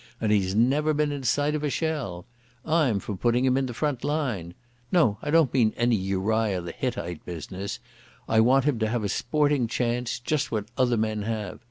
And he's never been in sight of a shell. I'm for putting him in the front line. No, I don't mean any Uriah the Hittite business. I want him to have a sporting chance, just what other men have.